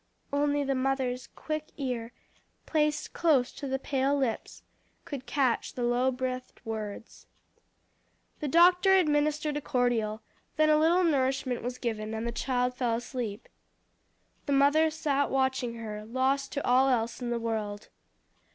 Only the mother's quick ear, placed close to the pale lips, could catch the low breathed words. The doctor administered a cordial, then a little nourishment was given, and the child fell asleep. The mother sat watching her, lost to all else in the world.